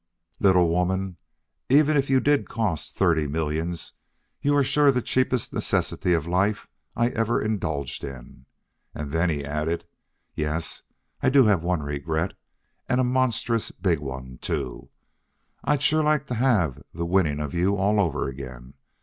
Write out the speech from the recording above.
"Little woman, even if you did cost thirty millions, you are sure the cheapest necessity of life I ever indulged in." And then he added, "Yes, I do have one regret, and a monstrous big one, too. I'd sure like to have the winning of you all over again.